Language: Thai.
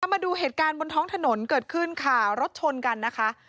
มาดูเหตุการณ์บนท้องถนนเกิดขึ้นค่ะรถชนกันนะคะ